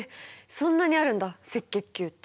そんなにあるんだ赤血球って。